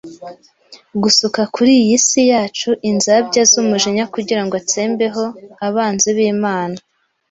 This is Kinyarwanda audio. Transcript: gusuka ku iyi si yacu inzabya z'umujinya kugira ngo atsembeho abanzi b'Imana.